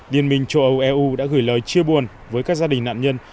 liên minh châu âu eu đã gửi lời chia buồn với các gia đình nạn nhân